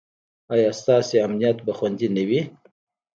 ایا ستاسو امنیت به خوندي نه وي؟